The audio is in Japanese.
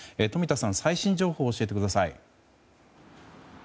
冨田さん、最新情報を教えてください。